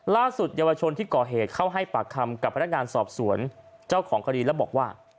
เยาวชนที่ก่อเหตุเข้าให้ปากคำกับพนักงานสอบสวนเจ้าของคดีแล้วบอกว่า